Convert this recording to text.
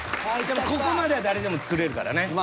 ここまでは誰でも作れるからね。